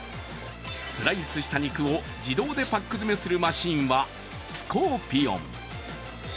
スライスした肉を自動でパック詰めするマシンはスコーピオン。